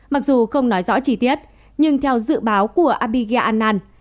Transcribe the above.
mặc dù không nói rõ trí tiết nhưng theo dự báo của abhigya anand